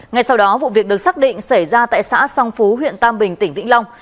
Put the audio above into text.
ngay sau đó vụ việc được xác định xảy ra tại xã song phú huyện tam bình tỉnh vĩnh long